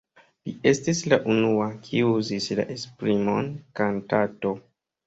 Li estis la unua, kiu uzis la esprimon „kantato“.